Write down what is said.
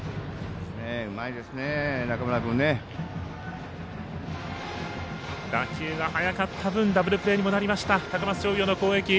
うまいですね、中村君ね。打球が速かった分ダブルプレーにもなりました高松商業の攻撃。